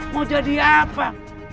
mau jadi apa